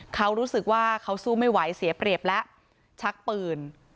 เขารู้สึกว่าเขาสู้ไม่ไหวเสียเปรียบแล้วชักปืน